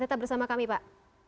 tetap bersama kami pak